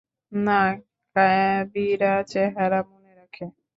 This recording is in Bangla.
না, ক্যাবিরা চেহারা মনে রাখে।